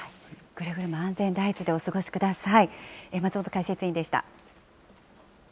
くれぐれも安全第一でお過ごしください。